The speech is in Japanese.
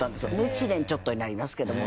１年ちょっとになりますけども。